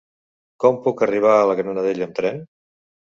Com puc arribar a la Granadella amb tren?